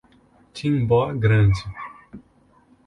Timbó Grande